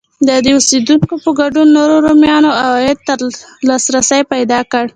د عادي اوسېدونکو په ګډون نورو رومیانو عوایدو ته لاسرسی پیدا کړ.